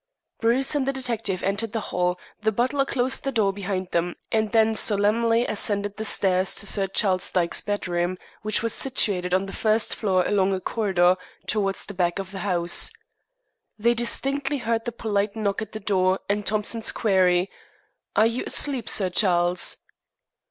Bruce and the detective entered the hall, the butler closed the door behind them, and then solemnly ascended the stairs to Sir Charles Dyke's bedroom, which was situated on the first floor along a corridor towards the back of the house. They distinctly heard the polite knock at the door and Thompson's query, "Are you asleep, Sir Charles?"